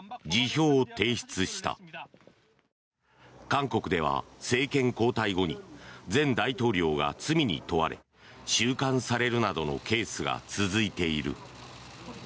韓国では政権交代後に前大統領が罪に問われ収監されるなどのケースが続いている。